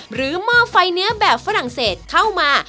หม้อไฟเนื้อแบบฝรั่งเศสเข้ามา